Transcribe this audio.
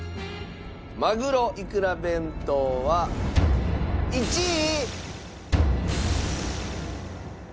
まぐろいくら弁当は１位。